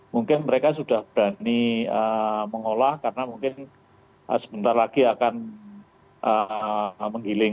mungkin mereka sudah berani mengolah karena mungkin sebentar lagi akan menggiling